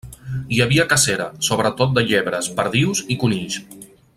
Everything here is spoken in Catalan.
Hi havia cacera, sobretot de llebres, perdius i conills.